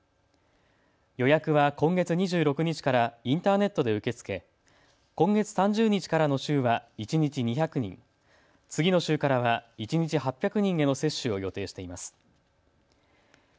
予約は今月２６日からインターネットで受け付け、今月３０日からの週は一日２００人、次の週からは一日８００人への接種を予定しています。